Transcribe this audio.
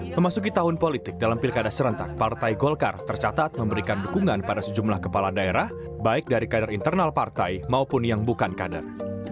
memasuki tahun politik dalam pilkada serentak partai golkar tercatat memberikan dukungan pada sejumlah kepala daerah baik dari kader internal partai maupun yang bukan kader